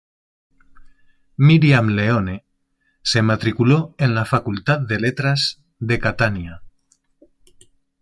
Miriam Leone se matriculó en la Facultad de Letras de Catania.